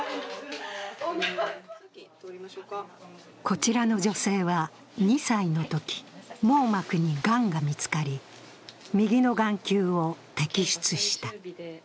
こちらの女性は２歳のとき網膜にがんが見つかり右の眼球を摘出した。